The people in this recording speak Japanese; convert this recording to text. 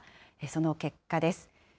その結果です。